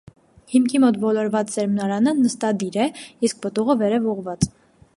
Հիմքի մոտ ոլորված սերմնարանը նստադիր է, իսկ պտուղը՝ վերև ուղղված։